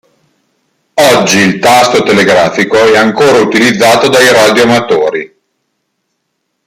Oggi il tasto telegrafico è ancora utilizzato dai radioamatori.